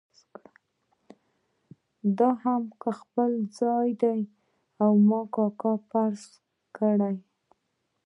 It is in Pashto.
دا هم خپل ځای دی او ما کاکا فرض کړه.